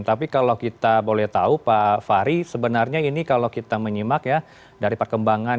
tapi kalau kita boleh tahu pak fahri sebenarnya ini kalau kita menyimak ya dari perkembangan